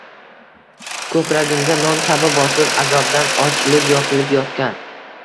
Ko’kragimga non kabi bosib, azobdan ochilib-yopilib yotgan